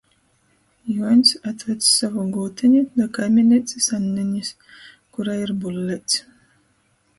Juoņs atveds sovu gūteni da kaimineicys Annenis, kurai ir bulleits.